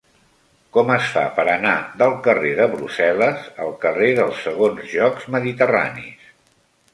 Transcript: Com es fa per anar del carrer de Brussel·les al carrer dels Segons Jocs Mediterranis?